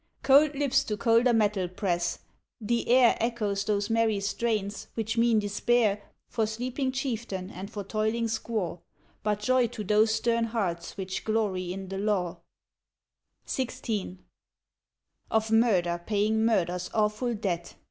Cold lips to colder metal press; the air Echoes those merry strains which mean despair For sleeping chieftain and for toiling squaw, But joy to those stern hearts which glory in the law XVI. Of murder paying murder's awful debt.